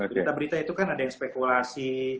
berita berita itu kan ada yang spekulasi